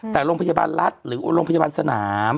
แต่โรงพยาบาลรัฐหรือโรงพยาบาลสนาม